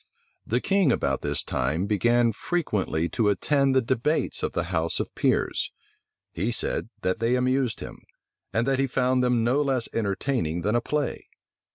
The king about this time began frequently to attend the debates of the house of peers. He said, that they amused him, and that he found them no less entertaining than a play.